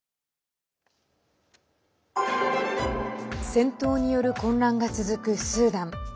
戦闘による混乱が続くスーダン。